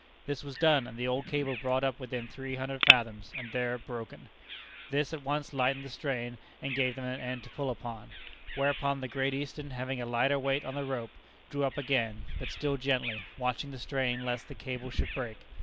This was done, and the old cable brought up within three hundred fathoms, and there broken. This at once lightened the strain and gave them an end to pull upon, whereupon the Great Eastern, having a lighter weight on the rope, drew up again, but still gently, watching the strain, lest the cable should break.